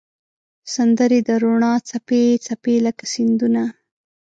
سندرې د روڼا څپې، څپې لکه سیندونه